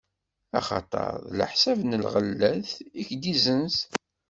Axaṭer d leḥsab n lɣellat i k-d-izzenz.